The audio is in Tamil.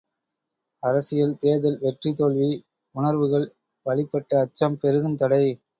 அரசியல், தேர்தல் வெற்றி தோல்வி உணர்வுகள் வழிப்பட்ட அச்சம் பெரிதும் தடை!